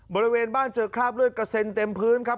บริเวณบ้านเจอคราบเลือดกระเซ็นเต็มพื้นครับ